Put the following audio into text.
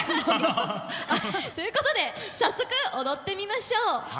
ということで早速踊ってみましょう。